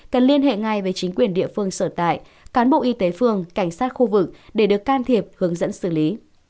cần liên hệ ngay với chính quyền địa phương sở tại cán bộ y tế phường cảnh sát khu vực để được can thiệp hướng dẫn xử lý